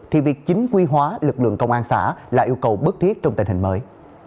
thì việc chính quy hóa lực lượng công an xã là yêu cầu bức thiết trong tình hình mới